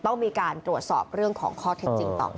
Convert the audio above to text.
ต้องมีการตรวจสอบเรื่องของข้อเท็จจริงต่อไป